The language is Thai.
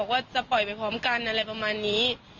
ว่าจะปล่อยไปพร้อมกันอะไรประมาณนี้